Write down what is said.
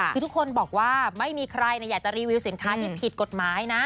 คือทุกคนบอกว่าไม่มีใครอยากจะรีวิวสินค้าที่ผิดกฎหมายนะ